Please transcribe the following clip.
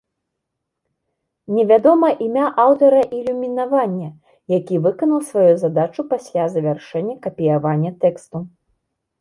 Не вядома імя аўтара ілюмінавання, які выканаў сваю задачу пасля завяршэння капіявання тэксту.